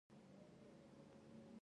د نفت او ګاز شرکت نرخونه کنټرولوي؟